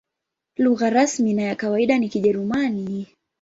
Lugha rasmi na ya kawaida ni Kijerumani.